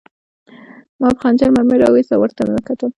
ما په خنجر مرمۍ را وویسته او ورته مې وکتل